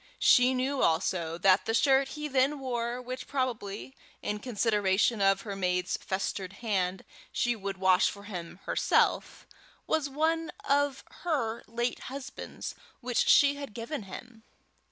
She knew also that the shirt he then wore, which probably, in consideration of her maid's festered hand, she would wash for him herself, was one of her late husband's which she had given him.